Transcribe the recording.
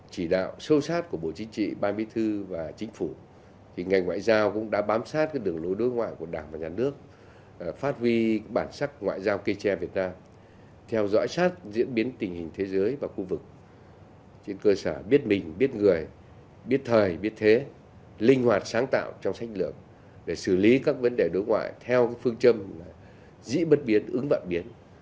chỉ đạo sâu sát của bộ chính trị ban bí thư và chính phủ thì ngành ngoại giao cũng đã bám sát các đường lối đối ngoại của đảng và nhà nước phát huy bản sắc ngoại giao kê che việt nam theo dõi sát diễn biến tình hình thế giới và khu vực trên cơ sở biết mình biết người biết thời biết thế linh hoạt sáng tạo trong sách lượng để xử lý các vấn đề đối ngoại theo phương châm dĩ bất biến ứng vận biến